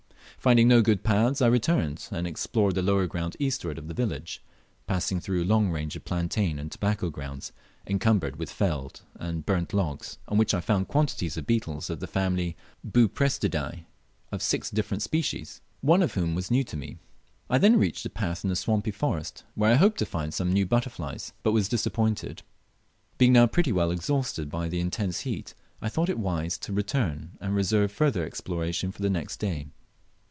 Finding no good paths I returned, and explored the lower ground eastward of the village, passing through a long range of plantain and tobacco grounds, encumbered with felled and burnt logs, on which I found quantities of beetles of the family Buprestidae of six different species, one of which was new to me. I then reached a path in the swampy forest where I hoped to find some butterflies, but was disappointed. Being now pretty well exhausted by the intense heat, I thought it wise to return and reserve further exploration for the next day.